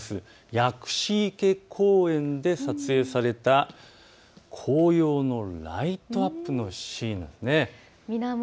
薬師池公園で撮影された紅葉のライトアップのシーンです。